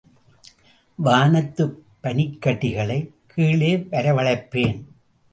வானத்துப் பனிக்கட்டிகளை கீழே வரவழைப்பேன்.